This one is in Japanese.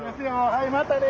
はいまたね。